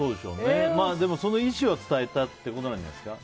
でも、その意思は伝えたってことじゃないですか。